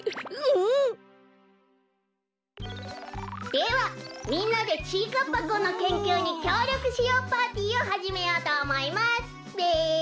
では「みんなでちぃかっぱくんのけんきゅうにきょうりょくしよう！パーティー」をはじめようとおもいますべ。